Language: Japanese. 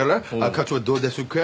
課長どうですか？